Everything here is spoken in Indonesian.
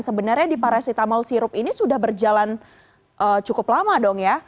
sebenarnya di paracetamol sirup ini sudah berjalan cukup lama dong ya